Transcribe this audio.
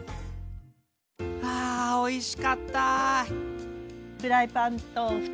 あおいしかった。